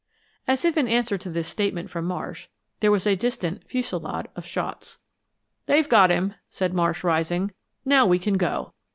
As if in answer to this statement from Marsh, there was a distant fusillade of shots. "They've got him," said Marsh, rising. "Now we can go."